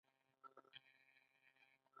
زلمی خان: بریدمنه، طبیعت دې څنګه دی؟ پر کوم سړک.